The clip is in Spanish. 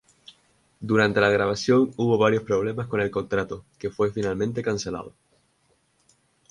Durante la grabación hubo varios problemas con el contrato, que fue finalmente cancelado.